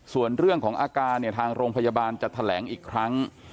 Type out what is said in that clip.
ส่วนเรื่องของอาการเนี่ยทางโรงพยาบาลจะแถลงอีกครั้ง